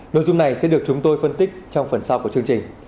nội dung này sẽ được chúng tôi phân tích trong phần sau của chương trình